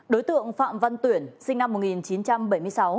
đối tượng phạm văn tuyển sinh năm một nghìn chín trăm bảy mươi sáu